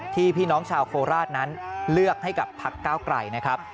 พี่น้องชาวโคราชนั้นเลือกให้กับพักก้าวไกลนะครับ